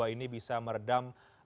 ini bisa meredam